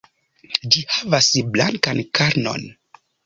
Ĝi havas blankan karnon.